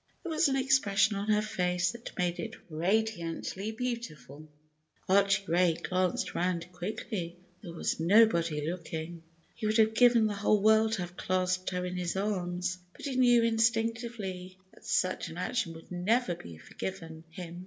There was an expression on her face that made it radiantly beautiful. Archie Ray glanced around quickly. There was nobody looking. He would have given the whole world to have clasped her in his arms, but he knew instinctively that such an action would never be forgiven him.